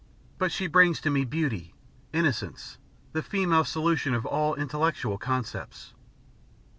But she brings to me beauty, innocence, the feminine solution of all intellectual concepts.